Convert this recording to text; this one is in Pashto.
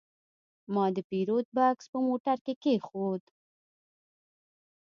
ما د پیرود بکس په موټر کې کېښود.